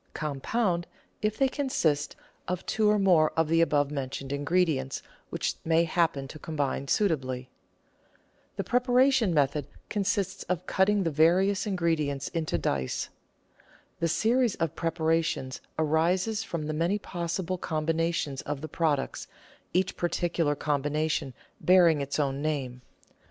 Compound if they consist of two or more of the above mentioned ingredients which may happen to combine suitably. The preparatory method consists in cutting the various in gredients into dice. The series of preparations arises from the many possible com binations of the products, each particular combination bearing its own name.